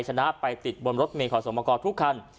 ชนะไปติดบนรถเมย์ขอสมกรทุกคัน